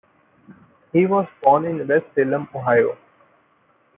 He was born in West Salem, Ohio.